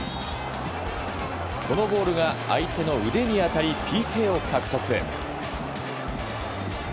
このボールが相手の腕に当たりＰＫを獲得。